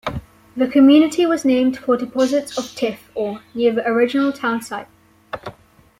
The community was named for deposits of "tiff" ore near the original town site.